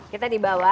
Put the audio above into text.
kita di bawah